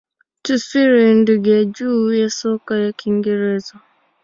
Tafsiri ndege ya juu ya soka ya Kiingereza.